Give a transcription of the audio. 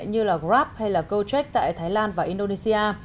như grab hay go trek tại thái lan và indonesia